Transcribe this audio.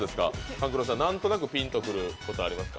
勘九郎さん、なんとなくピンとくる答えありますか？